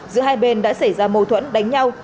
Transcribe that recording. giữa hai bên đã xảy ra mâu thuẫn đánh nhau